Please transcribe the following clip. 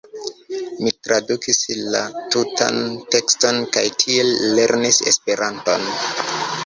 Mi tradukis la tutan tekston kaj tiel lernis Esperanton.